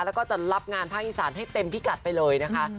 แล้วก็จะรับงานภาคอีสานให้เต็มพิกัดไปเลยนะคะ